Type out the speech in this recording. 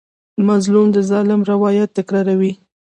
مظلوم د ظالم روایت تکراروي.